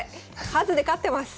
数で勝ってます。